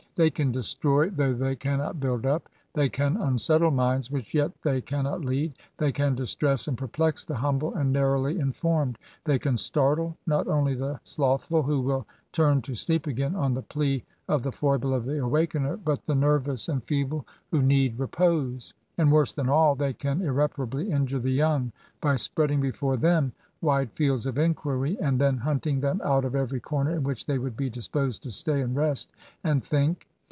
They can destroy, though they cannot build up. They can unsettle minds which yet they cannot lead. They can distress and perplex the humble and narrowly informed ; —they can starde, not only the slothful, (who will turn to sleep again, on the plea of the foible of the awakener) but the nervous and feeble who need repose ; and, worse than all, they can irreparably injure the young, by spreading before them wide fields of inquiry, and then hunting them out of every corner in which they would be disposed to stay, and rest, and think.